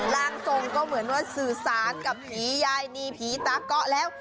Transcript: ร่างทรงก็เหมือนว่าสื่อสารกับผียายนีผีตาเกาะแล้ว